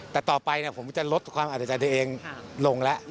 แต่ต่อไปผมจะลดความอัดใจตัวเองลงแล้ว